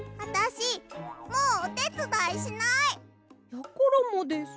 やころもです。